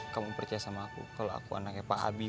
kamu percaya sama aku kalau aku anaknya pak abi